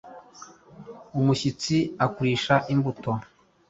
Umushyitsi akurisha imbuto.”